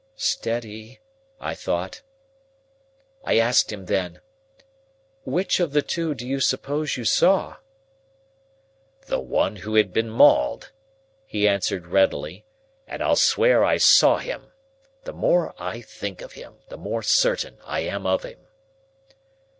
"Steady!" I thought. I asked him then, "Which of the two do you suppose you saw?" "The one who had been mauled," he answered readily, "and I'll swear I saw him! The more I think of him, the more certain I am of him."